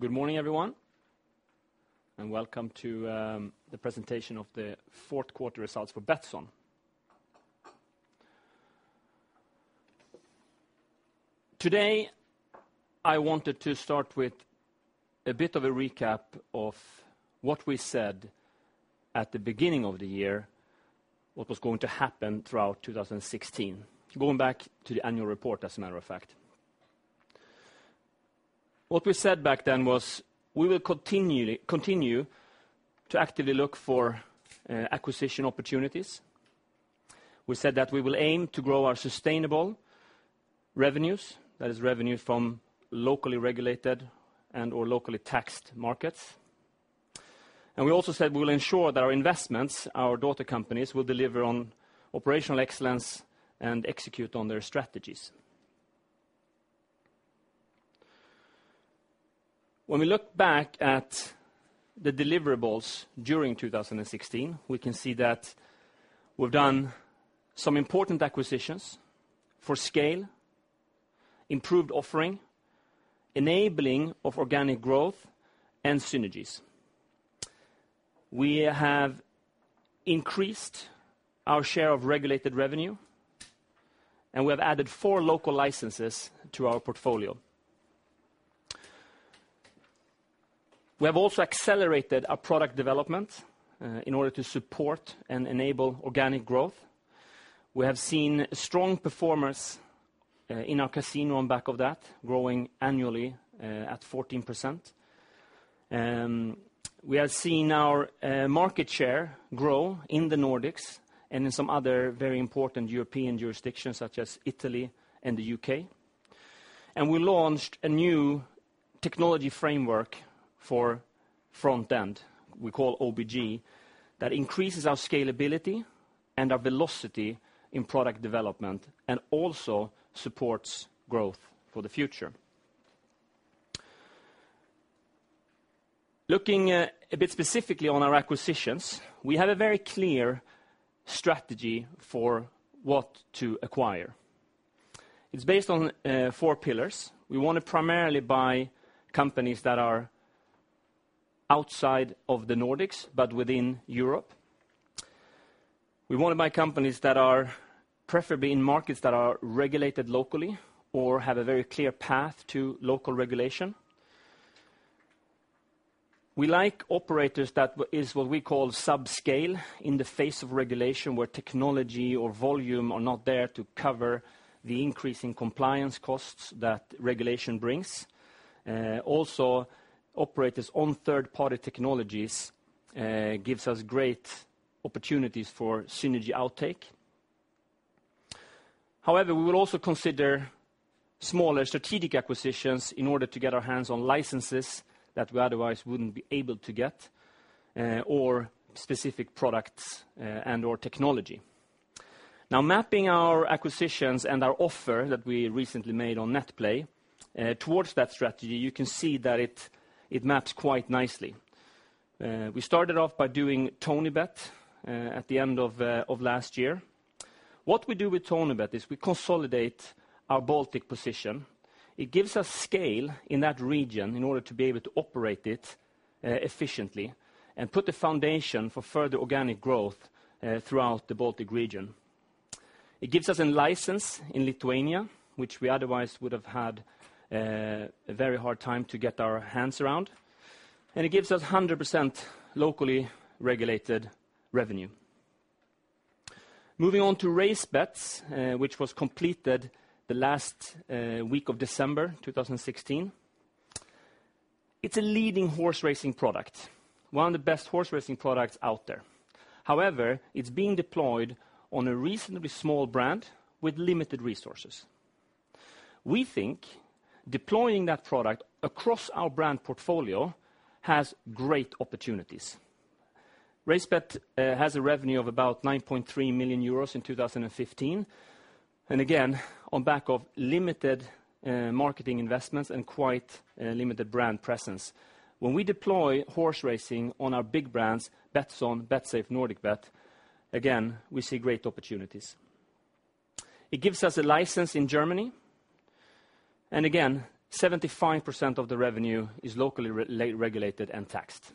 Good morning everyone, welcome to the presentation of the fourth quarter results for Betsson. Today, I wanted to start with a bit of a recap of what we said at the beginning of the year, what was going to happen throughout 2016, going back to the annual report, as a matter of fact. What we said back then was we will continue to actively look for acquisition opportunities. We said that we will aim to grow our sustainable revenues, that is revenue from locally regulated and/or locally taxed markets. We also said we will ensure that our investments, our daughter companies, will deliver on operational excellence and execute on their strategies. When we look back at the deliverables during 2016, we can see that we've done some important acquisitions for scale, improved offering, enabling of organic growth, and synergies. We have increased our share of regulated revenue. We have added four local licenses to our portfolio. We have also accelerated our product development in order to support and enable organic growth. We have seen strong performance in our casino on back of that, growing annually at 14%. We have seen our market share grow in the Nordics and in some other very important European jurisdictions such as Italy and the U.K. We launched a new technology framework for front end, we call OBG, that increases our scalability and our velocity in product development and also supports growth for the future. Looking a bit specifically on our acquisitions, we have a very clear strategy for what to acquire. It is based on four pillars. We want to primarily buy companies that are outside of the Nordics but within Europe. We want to buy companies that are preferably in markets that are regulated locally or have a very clear path to local regulation. We like operators that is what we call sub-scale in the face of regulation where technology or volume are not there to cover the increase in compliance costs that regulation brings. Also, operators on third-party technologies gives us great opportunities for synergy outtake. However, we will also consider smaller strategic acquisitions in order to get our hands on licenses that we otherwise wouldn't be able to get or specific products and/or technology. Now mapping our acquisitions and our offer that we recently made on NetPlay towards that strategy, you can see that it maps quite nicely. We started off by doing TonyBet at the end of last year. What we do with TonyBet is we consolidate our Baltic position. It gives us scale in that region in order to be able to operate it efficiently and put the foundation for further organic growth throughout the Baltic region. It gives us a license in Lithuania, which we otherwise would have had a very hard time to get our hands around. It gives us 100% locally regulated revenue. Moving on to RaceBets, which was completed the last week of December 2016. It is a leading horse racing product, one of the best horse racing products out there. However, it is being deployed on a reasonably small brand with limited resources. We think deploying that product across our brand portfolio has great opportunities. RaceBets has a revenue of about 9.3 million euros in 2015. Again, on back of limited marketing investments and quite limited brand presence. When we deploy horse racing on our big brands, Betsafe, NordicBet, Betsson, we see great opportunities. Again, it gives us a license in Germany. Again, 75% of the revenue is locally regulated and taxed.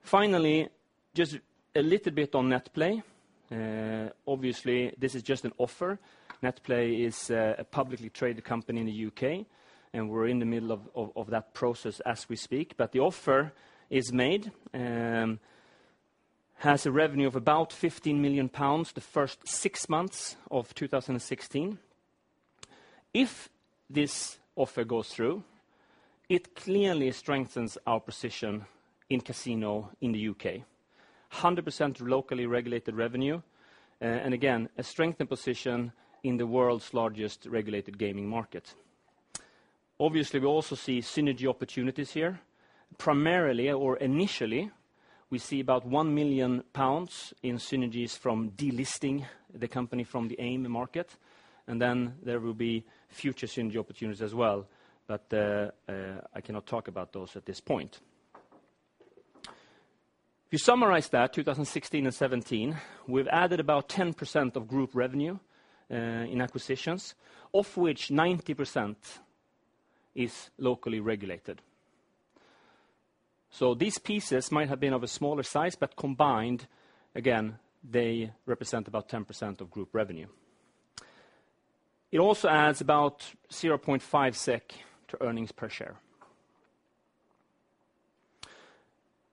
Finally, just a little bit on NetPlay TV. Obviously, this is just an offer. NetPlay TV is a publicly traded company in the U.K., and we are in the middle of that process as we speak. The offer is made, has a revenue of about 15 million pounds the first six months of 2016. If this offer goes through, it clearly strengthens our position in casino in the U.K., 100% locally regulated revenue. A strengthened position in the world's largest regulated gaming market. We also see synergy opportunities here. Primarily or initially, we see about 1 million pounds in synergies from delisting the company from the AIM market, and then there will be future synergy opportunities as well. I cannot talk about those at this point. To summarize that, 2016 and 2017, we have added about 10% of group revenue, in acquisitions, of which 90% is locally regulated. These pieces might have been of a smaller size, but combined, again, they represent about 10% of group revenue. It also adds about 0.5 SEK to earnings per share.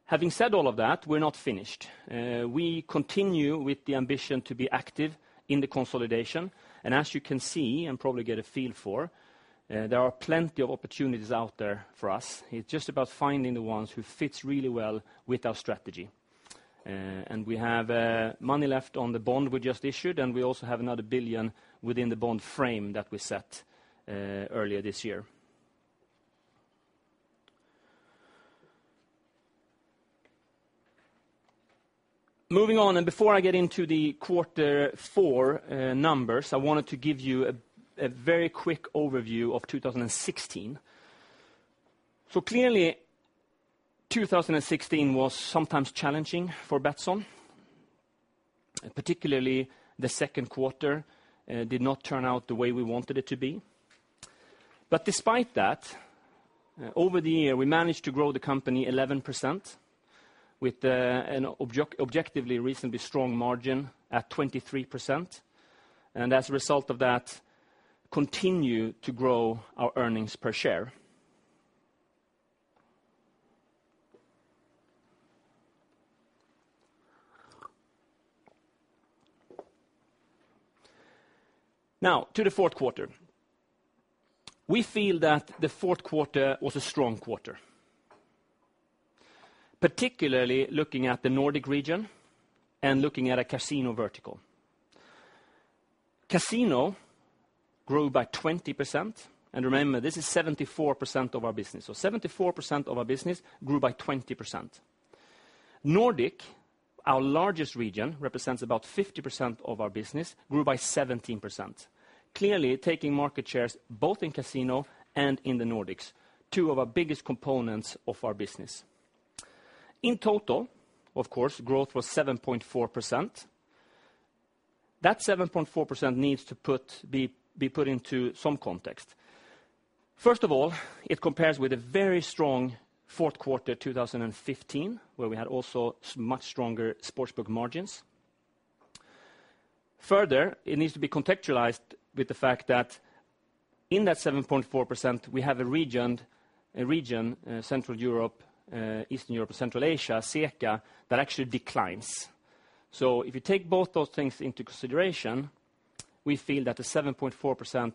Having said all of that, we are not finished. We continue with the ambition to be active in the consolidation. As you can see, and probably get a feel for, there are plenty of opportunities out there for us. It is just about finding the ones who fits really well with our strategy. We have money left on the bond we just issued, and we also have another billion within the bond frame that we set earlier this year. Moving on, before I get into the Q4 numbers, I wanted to give you a very quick overview of 2016. Clearly, 2016 was sometimes challenging for Betsson. Particularly the second quarter did not turn out the way we wanted it to be. Despite that, over the year, we managed to grow the company 11% with an objectively reasonably strong margin at 23%, and as a result of that, continue to grow our earnings per share. To the fourth quarter. We feel that the fourth quarter was a strong quarter. Particularly looking at the Nordic region and looking at a casino vertical. Casino grew by 20%, and remember, this is 74% of our business. 74% of our business grew by 20%. Nordic, our largest region, represents about 50% of our business, grew by 17%, clearly taking market shares both in casino and in the Nordics, two of our biggest components of our business. In total, of course, growth was 7.4%. That 7.4% needs to be put into some context. First of all, it compares with a very strong fourth quarter 2015, where we had also much stronger sportsbook margins. Further, it needs to be contextualized with the fact that in that 7.4%, we have a region, Central and Eastern Europe and Central Asia, CEECA, that actually declines. If you take both those things into consideration, we feel that the 7.4%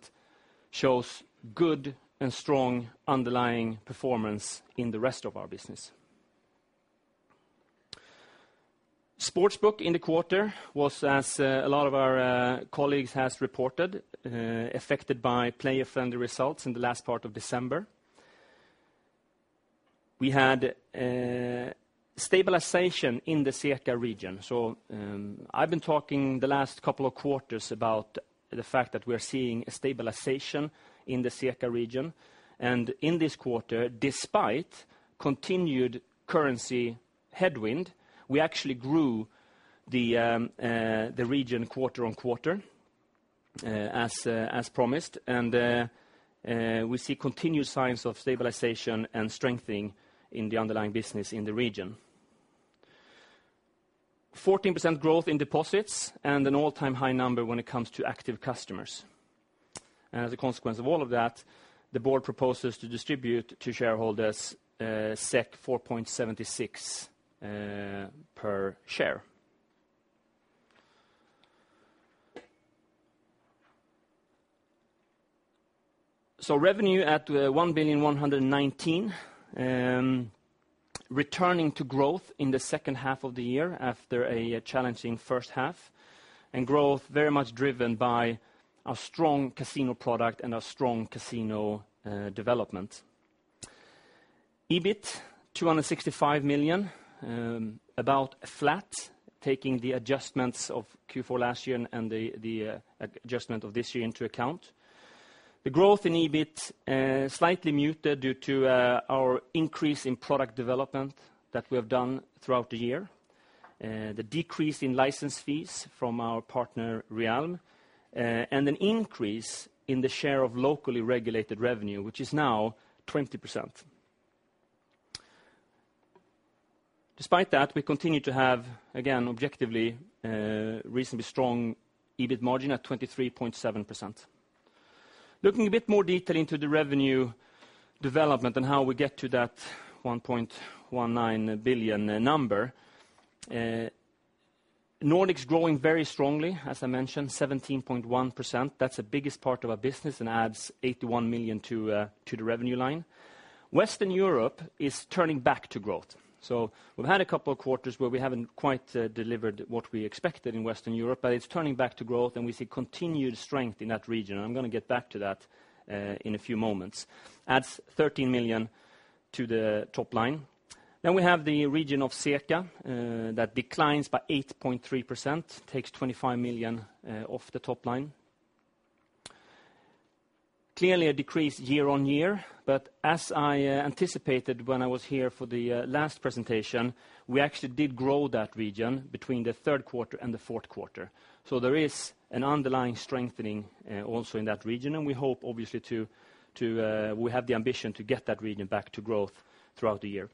shows good and strong underlying performance in the rest of our business. Sportsbook in the quarter was, as a lot of our colleagues has reported, affected by play-off friendly results in the last part of December. I've been talking the last couple of quarters about the fact that we're seeing a stabilization in the CEECA region, and in this quarter, despite continued currency headwind, we actually grew the region quarter-on-quarter, as promised. We see continued signs of stabilization and strengthening in the underlying business in the region. 14% growth in deposits and an all-time high number when it comes to active customers. As a consequence of all of that, the board proposes to distribute to shareholders 4.76 per share. Revenue at 1,119,000,000, returning to growth in the second half of the year after a challenging first half, and growth very much driven by our strong casino product and our strong casino development. EBIT, 265 million, about flat, taking the adjustments of Q4 last year and the adjustment of this year into account. The growth in EBIT slightly muted due to our increase in product development that we have done throughout the year. The decrease in license fees from our partner Realm Entertainment, and an increase in the share of locally regulated revenue, which is now 20%. Despite that, we continue to have, again, objectively, reasonably strong EBIT margin at 23.7%. Looking a bit more detail into the revenue development and how we get to that 1.119 billion number. Nordics growing very strongly, as I mentioned, 17.1%. That's the biggest part of our business and adds 81 million to the revenue line. Western Europe is turning back to growth. We've had a couple of quarters where we haven't quite delivered what we expected in Western Europe, but it's turning back to growth and we see continued strength in that region. I'm going to get back to that in a few moments. Adds 13 million to the top line. We have the region of CEECA, that declines by 8.3%, takes 25 million off the top line. Clearly a decrease year-on-year, but as I anticipated when I was here for the last presentation, we actually did grow that region between the third quarter and the fourth quarter. There is an underlying strengthening also in that region, we have the ambition to get that region back to growth throughout the year.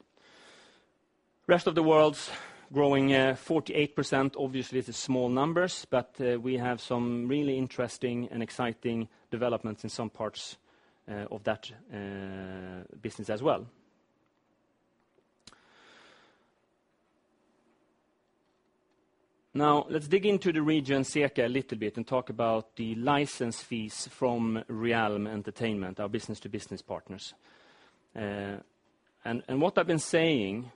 Rest of the world's growing at 48%. Obviously, it's small numbers, but we have some really interesting and exciting developments in some parts of that business as well. Let's dig into the region CEECA a little bit and talk about the license fees from Realm Entertainment, our business-to-business partners. What I've been saying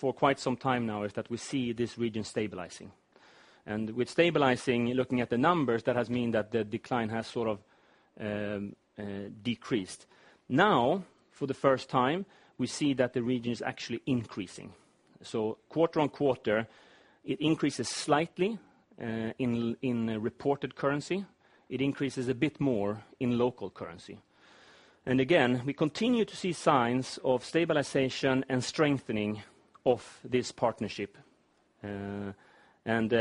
for quite some time now is that we see this region stabilizing. With stabilizing, looking at the numbers, that has meant that the decline has sort of decreased. For the first time, we see that the region is actually increasing. Quarter-on-quarter, it increases slightly in reported currency. It increases a bit more in local currency. Again, we continue to see signs of stabilization and strengthening of this partnership. Having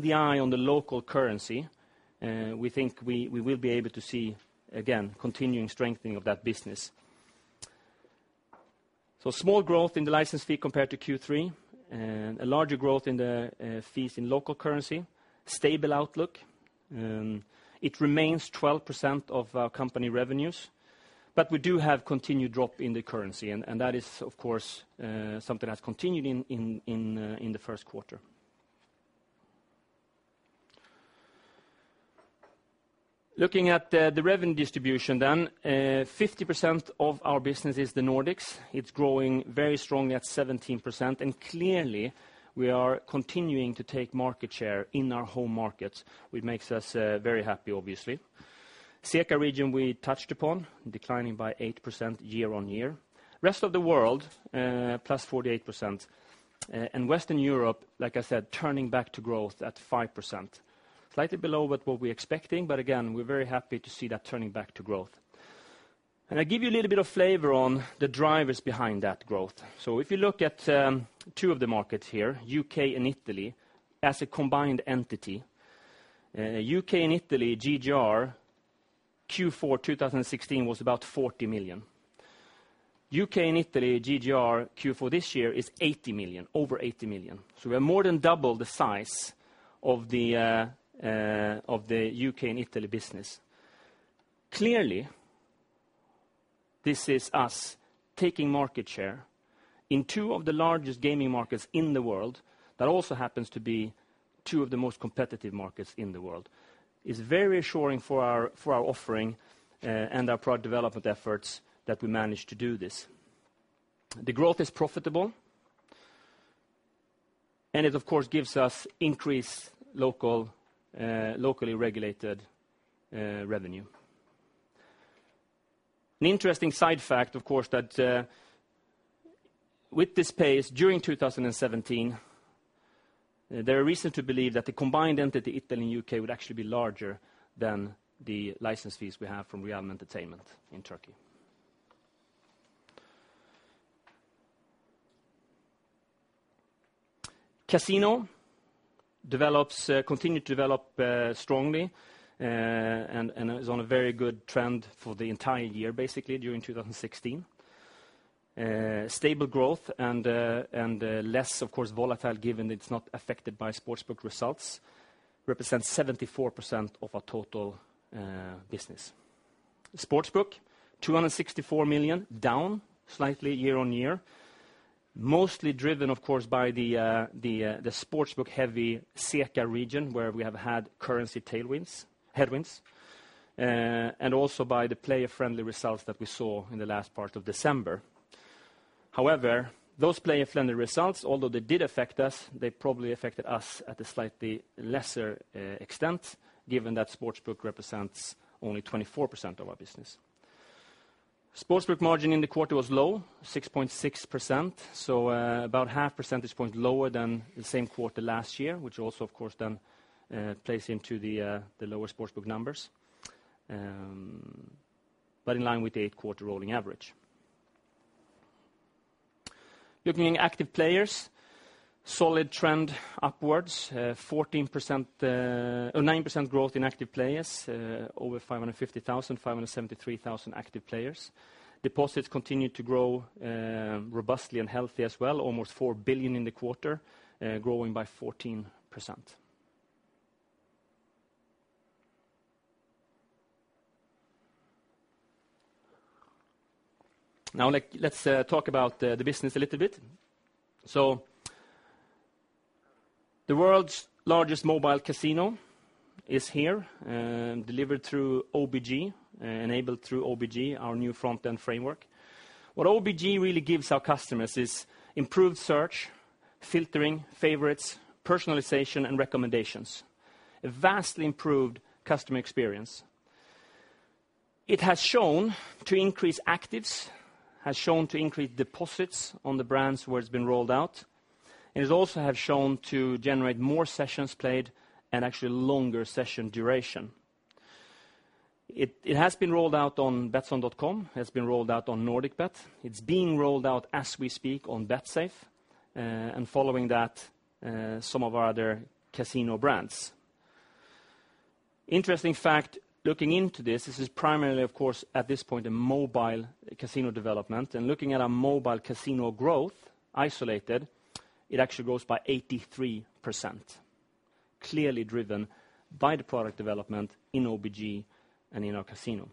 the eye on the local currency, we think we will be able to see, again, continuing strengthening of that business. Small growth in the license fee compared to Q3, a larger growth in the fees in local currency, stable outlook. It remains 12% of our company revenues. We do have continued drop in the currency, and that's, of course, something that's continued in the first quarter. Looking at the revenue distribution, 50% of our business is the Nordics. It's growing very strongly at 17%, and clearly, we are continuing to take market share in our home markets, which makes us very happy obviously. CEECA region, we touched upon, declining by 8% year-over-year. Rest of the world, +48%. Western Europe, like I said, turning back to growth at 5%. Slightly below what we were expecting, again, we're very happy to see that turning back to growth. I'll give you a little bit of flavor on the drivers behind that growth. If you look at two of the markets here, U.K. and Italy, as a combined entity. U.K. and Italy GGR, Q4 2016 was about 40 million. U.K. and Italy GGR, Q4 this year is 80 million, over 80 million. We have more than doubled the size of the U.K. and Italy business. Clearly, this is us taking market share in two of the largest gaming markets in the world, that also happens to be two of the most competitive markets in the world. It's very assuring for our offering and our product development efforts that we managed to do this. The growth is profitable, and it, of course, gives us increased locally regulated revenue. An interesting side fact, of course, that with this pace during 2017, there are reasons to believe that the combined entity, Italy and U.K., would actually be larger than the license fees we have from Realm Entertainment in Turkey. Casino continued to develop strongly and is on a very good trend for the entire year, basically, during 2016. Stable growth and less, of course, volatile, given it's not affected by sportsbook results. Represents 74% of our total business. Sportsbook, 264 million, down slightly year-over-year. Mostly driven, of course, by the sportsbook-heavy CEECA region, where we have had currency headwinds, and also by the player-friendly results that we saw in the last part of December. However, those player-friendly results, although they did affect us, they probably affected us at a slightly lesser extent, given that sportsbook represents only 24% of our business. Sportsbook margin in the quarter was low, 6.6%, so about half percentage point lower than the same quarter last year, which also, of course, then plays into the lower sportsbook numbers. In line with the eight-quarter rolling average. Looking at active players, solid trend upwards. 9% growth in active players, over 550,000, 573,000 active players. Deposits continued to grow robustly and healthy as well, almost 4 billion in the quarter, growing by 14%. Let's talk about the business a little bit. The world's largest mobile casino is here, delivered through OBG, enabled through OBG, our new front-end framework. What OBG really gives our customers is improved search, filtering, favorites, personalization, and recommendations. A vastly improved customer experience. It has shown to increase actives, has shown to increase deposits on the brands where it's been rolled out. It has also shown to generate more sessions played and actually longer session duration. It has been rolled out on betsson.com, has been rolled out on NordicBet. It is being rolled out as we speak on Betsafe, and following that, some of our other casino brands. Interesting fact, looking into this is primarily, of course, at this point, a mobile casino development. Looking at our mobile casino growth isolated, it actually grows by 83%, clearly driven by the product development in OBG and in our casino.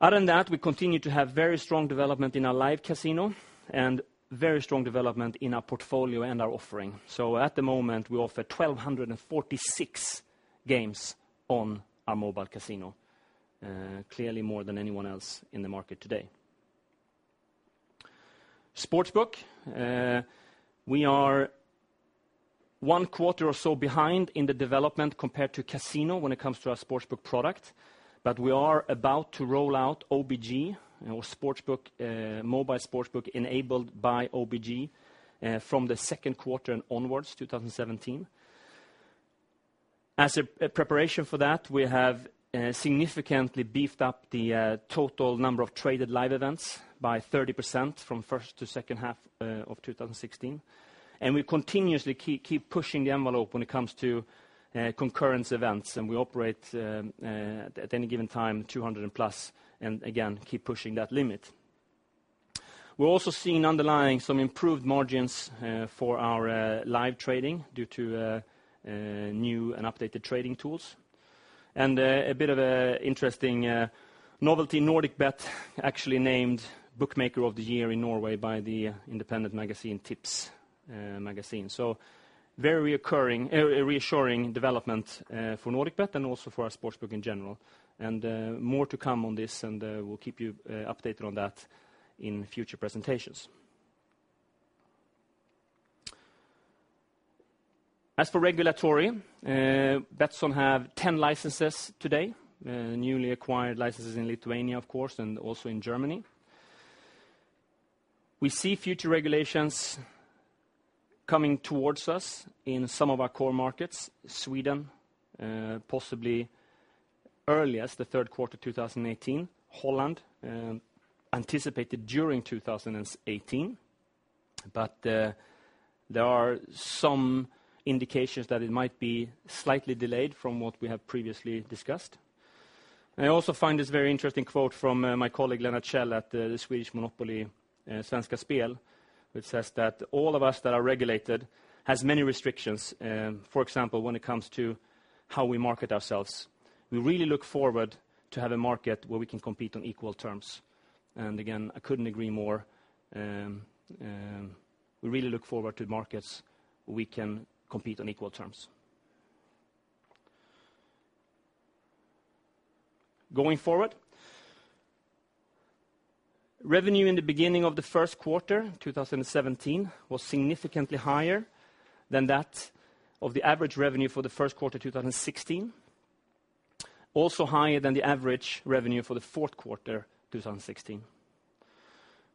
Other than that, we continue to have very strong development in our live casino and very strong development in our portfolio and our offering. So at the moment, we offer 1,246 games on our mobile casino, clearly more than anyone else in the market today. Sportsbook. We are one quarter or so behind in the development compared to casino when it comes to our sportsbook product, but we are about to roll out OBG, our mobile sportsbook enabled by OBG, from the second quarter and onwards 2017. As a preparation for that, we have significantly beefed up the total number of traded live events by 30% from first to second half of 2016, and we continuously keep pushing the envelope when it comes to concurrent events, and we operate at any given time, 200+, and again, keep pushing that limit. We are also seeing underlying some improved margins for our live trading due to new and updated trading tools. A bit of interesting novelty, NordicBet actually named Bookmaker of the Year in Norway by the independent magazine, Tipsbladet. So very reassuring development for NordicBet and also for our sportsbook in general. More to come on this and we will keep you updated on that in future presentations. As for regulatory, Betsson have 10 licenses today, newly acquired licenses in Lithuania, of course, and also in Germany. We see future regulations coming towards us in some of our core markets, Sweden, possibly early as the third quarter 2018, Holland anticipated during 2018. But there are some indications that it might be slightly delayed from what we have previously discussed. I also find this very interesting quote from my colleague Lennart Käll at the Swedish monopoly, Svenska Spel, which says that, "All of us that are regulated has many restrictions, for example, when it comes to how we market ourselves. We really look forward to have a market where we can compete on equal terms." Again, I couldn't agree more. We really look forward to markets we can compete on equal terms. Going forward, revenue in the beginning of the first quarter 2017 was significantly higher than that of the average revenue for the first quarter 2016. Also higher than the average revenue for the fourth quarter 2016.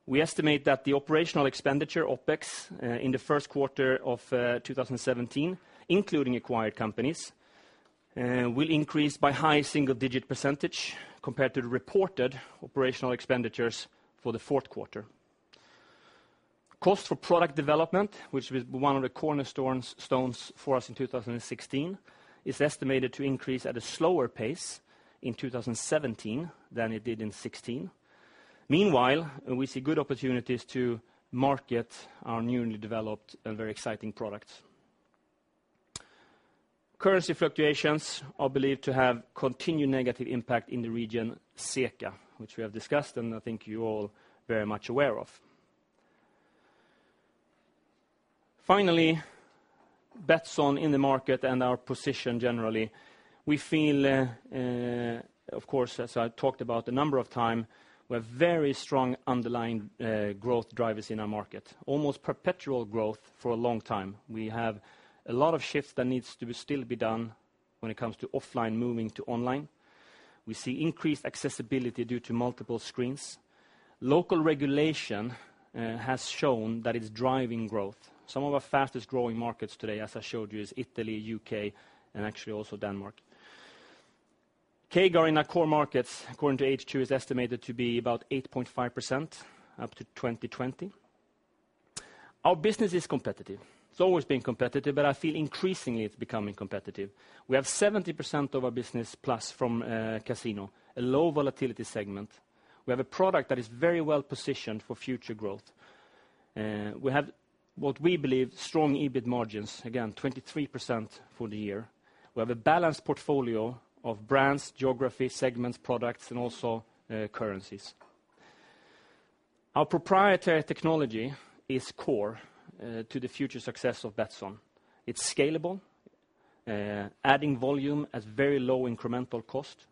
We estimate that the operational expenditure, OPEX, in the first quarter of 2017, including acquired companies, will increase by high single-digit percentage compared to the reported operational expenditures for the fourth quarter. Cost for product development, which was one of the cornerstones for us in 2016, is estimated to increase at a slower pace in 2017 than it did in 2016. Meanwhile, we see good opportunities to market our newly developed and very exciting products. Currency fluctuations are believed to have continued negative impact in the region CEECA, which we have discussed, and I think you are all very much aware of. Finally, Betsson in the market and our position generally. We feel, of course, as I talked about a number of time, we have very strong underlying growth drivers in our market, almost perpetual growth for a long time. We have a lot of shifts that needs to still be done when it comes to offline moving to online. We see increased accessibility due to multiple screens. Local regulation has shown that it's driving growth. Some of our fastest-growing markets today, as I showed you, is Italy, U.K., and actually also Denmark. CAGR in our core markets, according to H2, is estimated to be about 8.5% up to 2020. Our business is competitive. It's always been competitive, but I feel increasingly it's becoming competitive. We have 70% of our business plus from casino, a low volatility segment. We have a product that is very well-positioned for future growth. We have what we believe strong EBIT margins, again, 23% for the year. We have a balanced portfolio of brands, geography, segments, products, and also currencies. Our proprietary technology is core to the future success of Betsson. It's scalable, adding volume at very low incremental cost.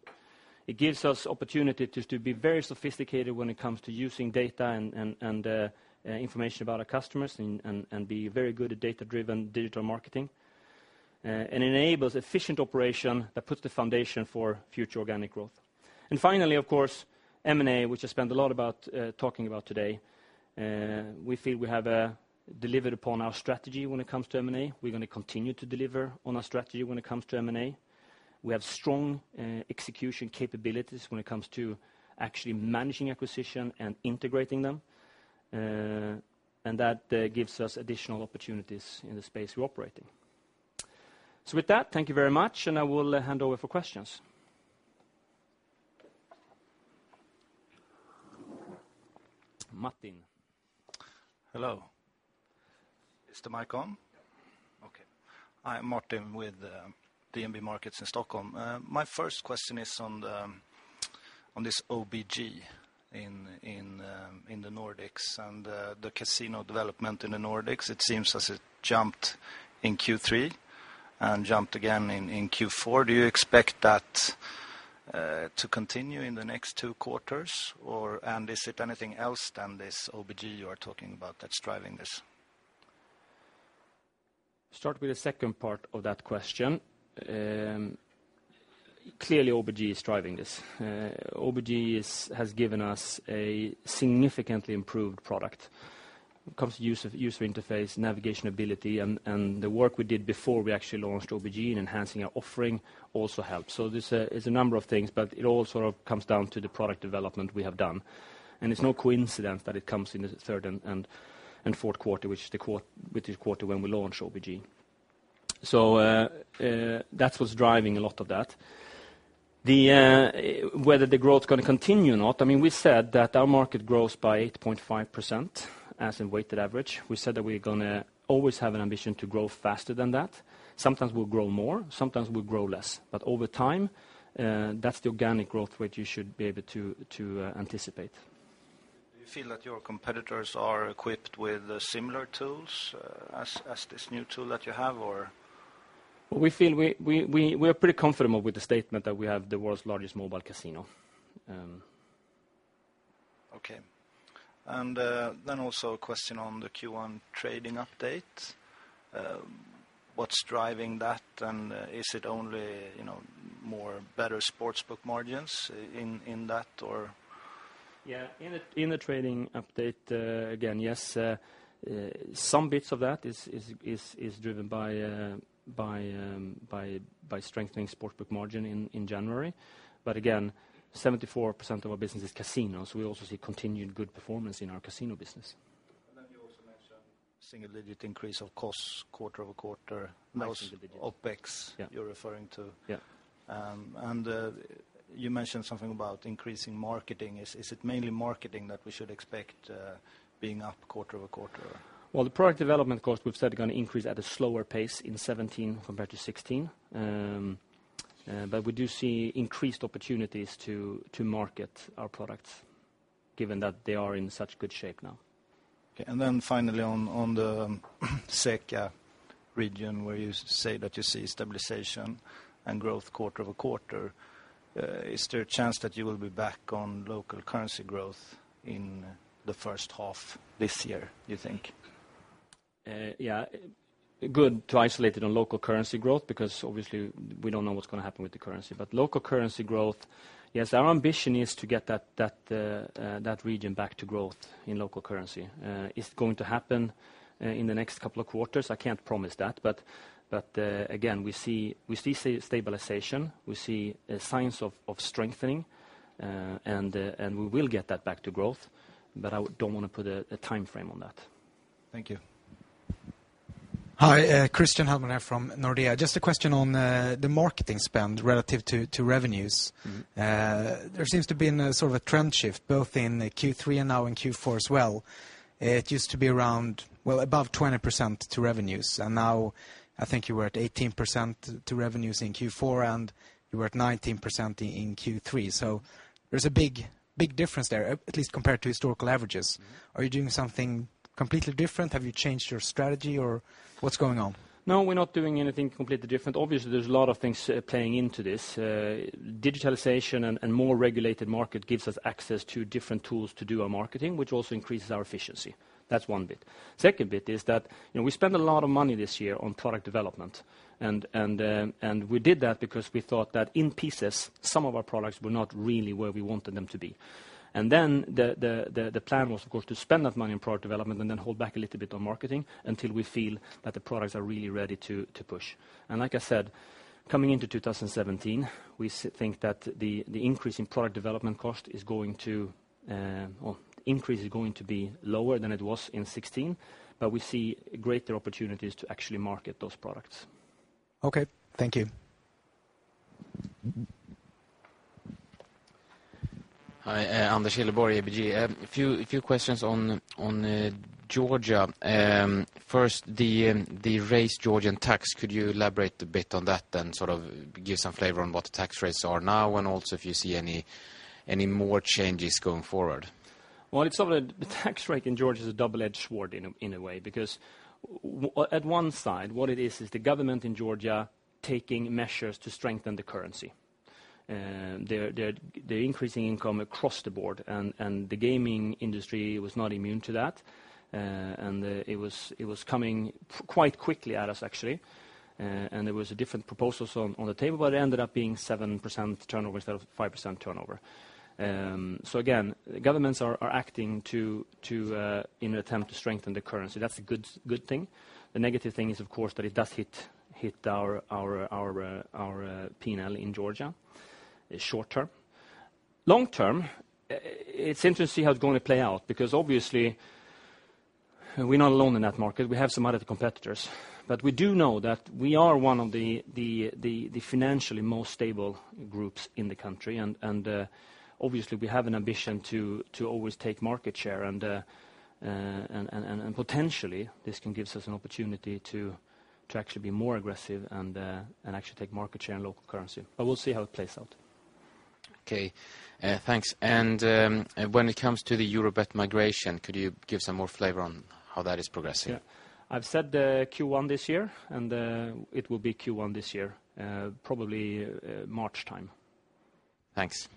It gives us opportunity to be very sophisticated when it comes to using data and information about our customers and be very good at data-driven digital marketing. Enables efficient operation that puts the foundation for future organic growth. Finally, of course, M&A, which I spent a lot talking about today. We feel we have delivered upon our strategy when it comes to M&A. We're going to continue to deliver on our strategy when it comes to M&A. We have strong execution capabilities when it comes to actually managing acquisition and integrating them, and that gives us additional opportunities in the space we're operating. With that, thank you very much, and I will hand over for questions. Martin. Hello. Is the mic on? Yep. Okay. Hi, Martin with DNB Markets in Stockholm. My first question is on this OBG in the Nordics and the casino development in the Nordics, it seems as it jumped in Q3 and jumped again in Q4. Do you expect that to continue in the next two quarters, and is it anything else than this OBG you are talking about that's driving this? Start with the second part of that question. Clearly, OBG is driving this. OBG has given us a significantly improved product. When it comes to user interface, navigation ability, and the work we did before we actually launched OBG in enhancing our offering also helps. This is a number of things, but it all sort of comes down to the product development we have done. It's no coincidence that it comes in the third and fourth quarter, which is the quarter when we launch OBG. That was driving a lot of that. Whether the growth is going to continue or not, we said that our market grows by 8.5%, as in weighted average. We said that we're going to always have an ambition to grow faster than that. Sometimes we'll grow more, sometimes we'll grow less. Over time, that's the organic growth rate you should be able to anticipate. Do you feel that your competitors are equipped with similar tools as this new tool that you have, or? We feel we are pretty comfortable with the statement that we have the world's largest mobile casino. Okay. Also a question on the Q1 trading update. What's driving that, is it only better sportsbook margins in that, or? Yeah. In the trading update, again, yes, some bits of that is driven by strengthening sportsbook margin in January. Again, 74% of our business is casinos. We also see continued good performance in our casino business. You also mentioned single-digit increase of costs quarter-over-quarter. That was single-digit. OpEx you're referring to. Yeah. You mentioned something about increasing marketing. Is it mainly marketing that we should expect being up quarter-over-quarter? Well, the product development cost we've said are going to increase at a slower pace in 2017 compared to 2016. We do see increased opportunities to market our products, given that they are in such good shape now. Finally on the CEECA region where you say that you see stabilization and growth quarter-over-quarter, is there a chance that you will be back on local currency growth in the first half this year, do you think? Yeah. Good to isolate it on local currency growth because obviously we don't know what's going to happen with the currency. Local currency growth, yes, our ambition is to get that region back to growth in local currency. It's going to happen in the next couple of quarters. I can't promise that. Again, we see stabilization. We see signs of strengthening, and we will get that back to growth, but I don't want to put a timeframe on that. Thank you. Hi, Christian Hellman from Nordea. Just a question on the marketing spend relative to revenues. There seems to be sort of a trend shift both in Q3 and now in Q4 as well. It used to be around, well, above 20% to revenues, and now I think you were at 18% to revenues in Q4, and you were at 19% in Q3. There's a big difference there, at least compared to historical averages. Are you doing something completely different? Have you changed your strategy, or what's going on? No, we're not doing anything completely different. Obviously, there's a lot of things playing into this. Digitalization and more regulated market gives us access to different tools to do our marketing, which also increases our efficiency. That's one bit. Second bit is that we spent a lot of money this year on product development. We did that because we thought that in pieces, some of our products were not really where we wanted them to be. The plan was, of course, to spend that money on product development and then hold back a little bit on marketing until we feel that the products are really ready to push. Like I said, coming into 2017, we think that the increase in product development cost is going to be lower than it was in 2016, but we see greater opportunities to actually market those products. Okay. Thank you. Hi, Anders Holmgren, ABG. A few questions on Georgia. First, the raised Georgian tax. Could you elaborate a bit on that and sort of give some flavor on what the tax rates are now and also if you see any more changes going forward? The tax rate in Georgia is a double-edged sword in a way, because at one side, what it is the government in Georgia taking measures to strengthen the currency. They're increasing income across the board, and the gaming industry was not immune to that. It was coming quite quickly at us, actually. There was different proposals on the table, but it ended up being 7% turnover instead of 5% turnover. Again, governments are acting in an attempt to strengthen the currency. That's a good thing. The negative thing is, of course, that it does hit our P&L in Georgia short-term. Long-term, it's interesting how it's going to play out, because obviously, we're not alone in that market. We have some other competitors. We do know that we are one of the financially most stable groups in the country, and obviously, we have an ambition to always take market share. Potentially, this can give us an opportunity to actually be more aggressive and actually take market share in local currency. We'll see how it plays out. Okay. Thanks. When it comes to the Eurobet migration, could you give some more flavor on how that is progressing? Yeah. I've said Q1 this year, and it will be Q1 this year. Probably March time. Thanks.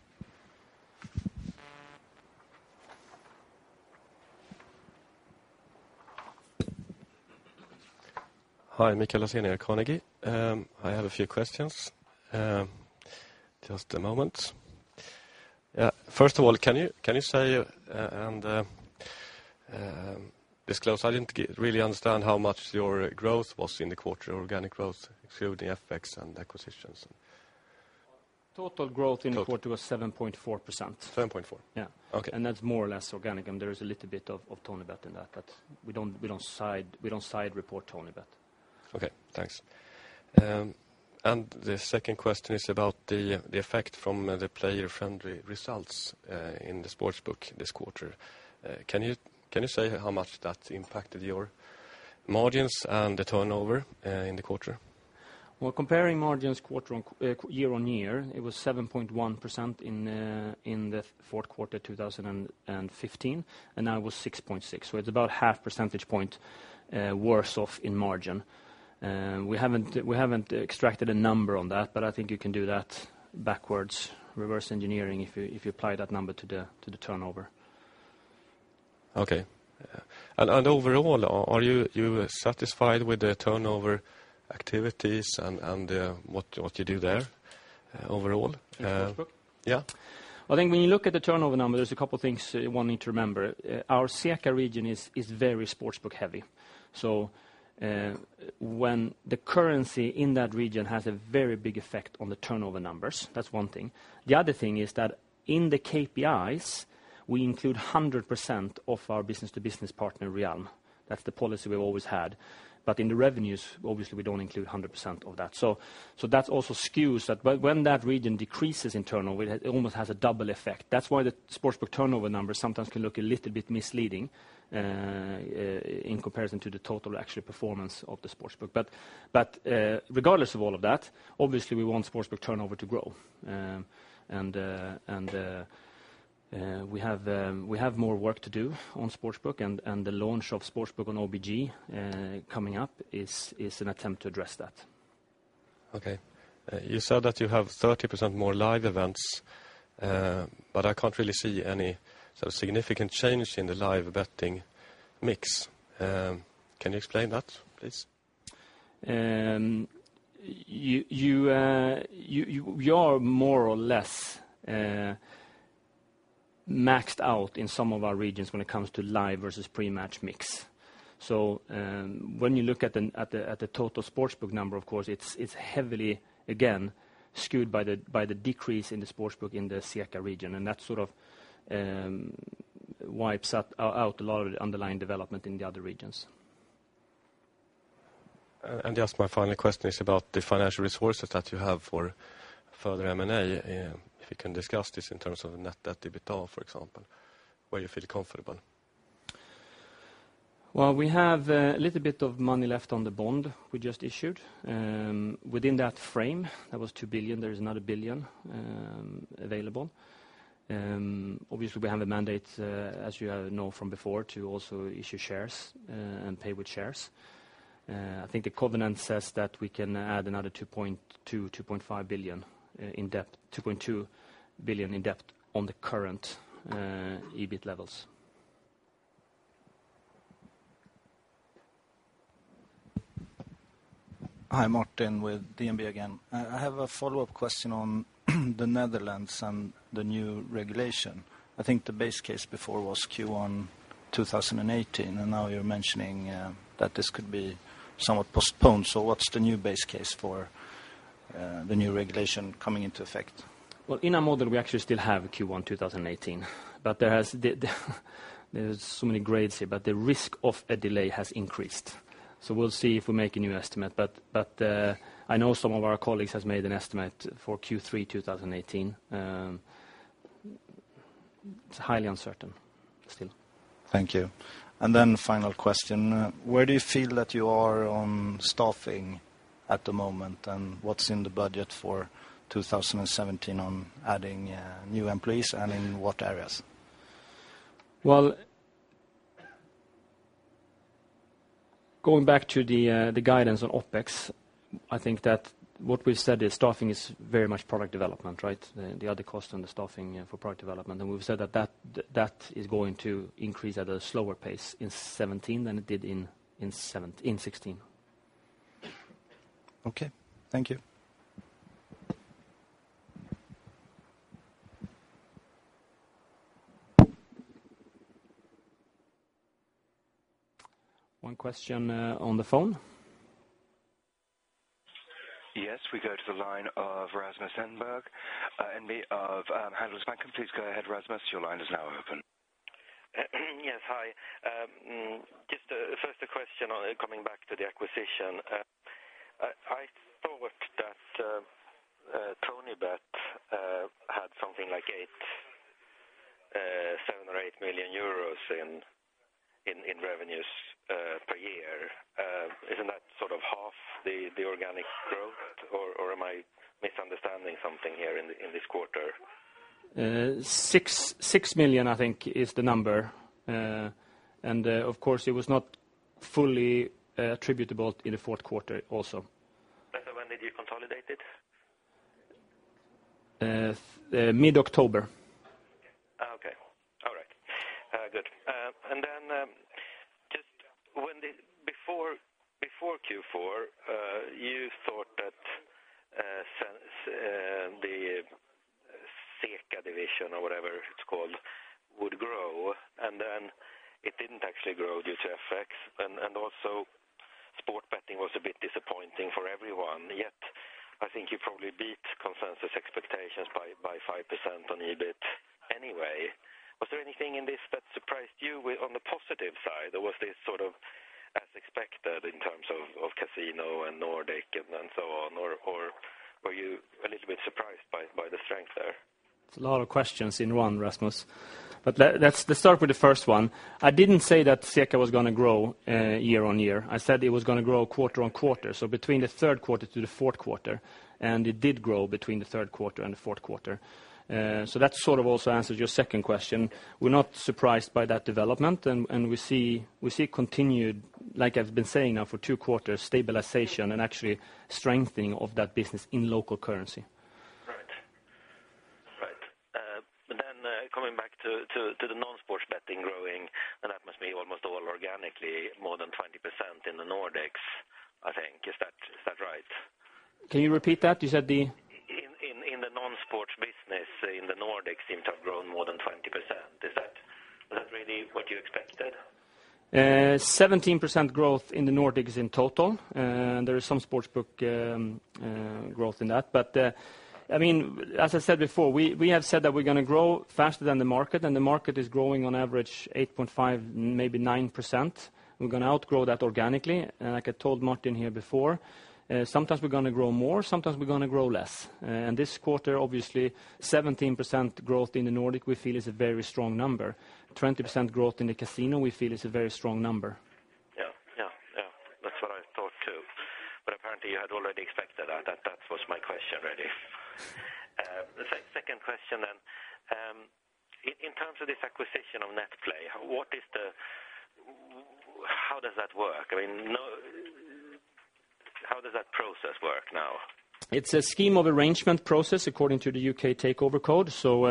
Hi, Mikael Lassén at Carnegie. I have a few questions. Just a moment. First of all, can you say and disclose, I didn't really understand how much your growth was in the quarter, organic growth, excluding FX and acquisitions and Total growth in the quarter was 7.4%. 7.4? Yeah. Okay. That's more or less organic, and there is a little bit of TonyBet in that. We don't side report TonyBet. Okay, thanks. The second question is about the effect from the player-friendly results in the sportsbook this quarter. Can you say how much that impacted your margins and the turnover in the quarter? Well, comparing margins year-on-year, it was 7.1% in the fourth quarter 2015, and now it was 6.6%. It's about half percentage point worse off in margin. We haven't extracted a number on that, but I think you can do that backwards, reverse engineering, if you apply that number to the turnover. Okay. Yeah. Overall, are you satisfied with the turnover activities and what you do there, overall? In the sportsbook? Yeah. Well, I think when you look at the turnover number, there's a couple things one need to remember. Our CEECA region is very sportsbook heavy. When the currency in that region has a very big effect on the turnover numbers, that's one thing. The other thing is that in the KPIs, we include 100% of our business-to-business partner Realm. That's the policy we've always had. In the revenues, obviously, we don't include 100% of that. That also skews that. When that region decreases in turnover, it almost has a double effect. That's why the sportsbook turnover numbers sometimes can look a little bit misleading in comparison to the total actual performance of the sportsbook. Regardless of all of that, obviously, we want sportsbook turnover to grow. We have more work to do on sportsbook, and the launch of sportsbook on OBG coming up is an attempt to address that. Okay. You said that you have 30% more live events, but I can't really see any sort of significant change in the live betting mix. Can you explain that, please? We are more or less maxed out in some of our regions when it comes to live versus pre-match mix. When you look at the total sportsbook number, of course, it's heavily, again, skewed by the decrease in the sportsbook in the CECA region. That sort of wipes out a lot of the underlying development in the other regions. Just my final question is about the financial resources that you have for further M&A. If you can discuss this in terms of net debt to EBITDA, for example, where you feel comfortable. Well, we have a little bit of money left on the bond we just issued. Within that frame, that was 2 billion, there is another 1 billion available. Obviously, we have the mandate, as you know from before, to also issue shares and pay with shares. I think the covenant says that we can add another 2.2 billion-2.5 billion in debt. 2.2 billion in debt on the current EBIT levels. Hi, Martin with DNB again. I have a follow-up question on the Netherlands and the new regulation. I think the base case before was Q1 2018, now you're mentioning that this could be somewhat postponed. What's the new base case for the new regulation coming into effect? Well, in our model, we actually still have Q1 2018, there's so many grades here, the risk of a delay has increased. We'll see if we make a new estimate. I know some of our colleagues have made an estimate for Q3 2018. It's highly uncertain still. Thank you. Then final question. Where do you feel that you are on staffing at the moment, what's in the budget for 2017 on adding new employees, in what areas? Going back to the guidance on OPEX, I think that what we've said is staffing is very much product development. The other cost and the staffing for product development. We've said that is going to increase at a slower pace in 2017 than it did in 2016. Okay. Thank you. One question on the phone. Yes, we go to the line of Rasmus Engberg of Handelsbanken. Please go ahead, Rasmus, your line is now open. Yes, hi. Just first a question on coming back to the acquisition. I thought that TonyBet had something like 7 or 8 million euros in revenues per year. Isn't that sort of half the organic growth, or am I misunderstanding something here in this quarter? 6 million, I think is the number. Of course, it was not fully attributable in the fourth quarter also. Betsson, when did you consolidate it? Mid-October. Okay. All right. Good. Then, just before Q4, you thought that the CEECA division, or whatever it's called, would grow, then it didn't actually grow due to effects. Also sports betting was a bit disappointing for everyone, yet I think you probably beat consensus expectations by 5% on EBIT anyway. Was there anything in this that surprised you on the positive side? Or was this sort of as expected in terms of casino and Nordic and so on? Or were you a little bit surprised by the strength there? It's a lot of questions in one, Rasmus, let's start with the first one. I didn't say that CEECA was going to grow year-on-year. I said it was going to grow quarter-on-quarter, so between the third quarter to the fourth quarter, it did grow between the third quarter and the fourth quarter. That sort of also answers your second question. We're not surprised by that development, we see continued, like I've been saying now for two quarters, stabilization and actually strengthening of that business in local currency. Coming back to the non-sports betting growing, and that must be almost all organically more than 20% in the Nordics, I think. Is that right? Can you repeat that? You said. In the non-sports business in the Nordics seem to have grown more than 20%. Is that really what you expected? 17% growth in the Nordics in total. There is some sportsbook growth in that. As I said before, we have said that we're going to grow faster than the market, and the market is growing on average 8.5%, maybe 9%. We're going to outgrow that organically. Like I told Martin here before, sometimes we're going to grow more, sometimes we're going to grow less. This quarter, obviously, 17% growth in the Nordic we feel is a very strong number. 20% growth in the casino we feel is a very strong number. Yeah. That's what I thought, too. Apparently you had already expected that. That was my question, really. Second question. In terms of this acquisition of NetPlay, how does that process work now? It's a scheme of arrangement process according to the UK Takeover Code. From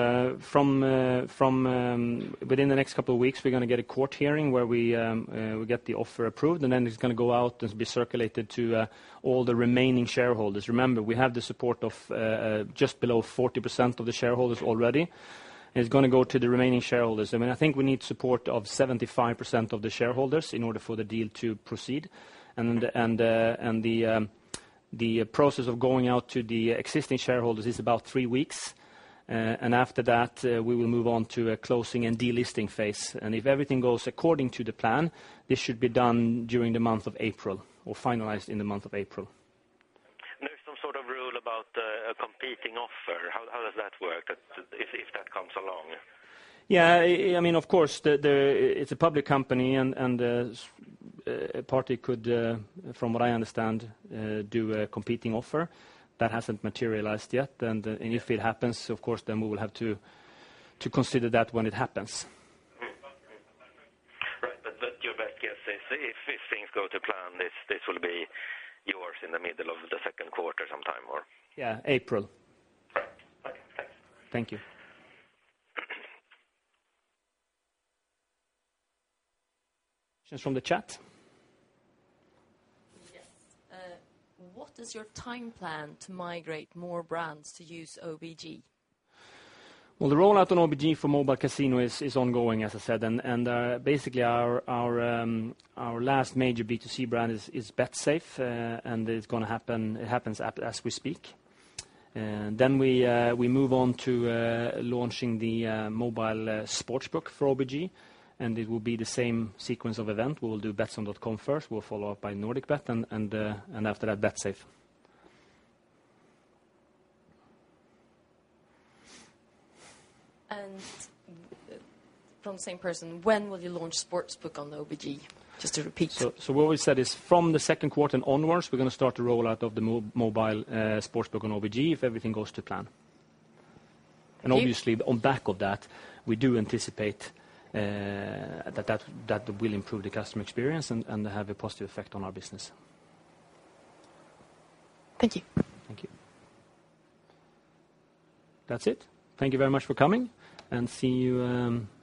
within the next couple of weeks, we're going to get a court hearing where we get the offer approved, then it's going to go out and be circulated to all the remaining shareholders. Remember, we have the support of just below 40% of the shareholders already. It's going to go to the remaining shareholders. I think we need support of 75% of the shareholders in order for the deal to proceed. The process of going out to the existing shareholders is about three weeks, after that, we will move on to a closing and delisting phase. If everything goes according to the plan, this should be done during the month of April, or finalized in the month of April. There's some sort of rule about a competing offer. How does that work if that comes along? Yeah, of course, it's a public company a party could, from what I understand, do a competing offer. That hasn't materialized yet. If it happens, of course, we will have to consider that when it happens. Right. Your best guess is if things go to plan, this will be yours in the middle of the second quarter sometime or? Yeah, April. Right. Okay, thanks. Thank you. Questions from the chat? Yes. What is your time plan to migrate more brands to use OBG? Basically, our last major B2C brand is Betsafe, and it happens as we speak. We move on to launching the mobile sportsbook for OBG, and it will be the same sequence of event. We will do betsson.com first, we'll follow up by NordicBet and after that, Betsafe. From the same person, when will you launch sportsbook on OBG? Just to repeat. What we said is from the second quarter and onwards, we're going to start the rollout of the mobile sportsbook on OBG if everything goes to plan. Thank you. Obviously, on back of that, we do anticipate that will improve the customer experience and have a positive effect on our business. Thank you. Thank you. That's it. Thank you very much for coming, and see you